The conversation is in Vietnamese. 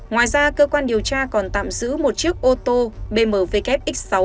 ngoài ra cơ quan điều tra còn tạm giữ một chiếc ô tô bmw x sáu